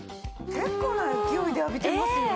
結構な勢いで浴びてますよね。